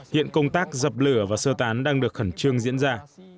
hiện công tác dập lửa và sơ tán đang được khẩn trương diễn ra